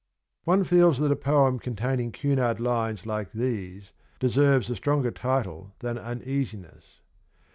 One feels that a poem containing Cunard lines like these deserve a stronger title than ' Uneasiness.'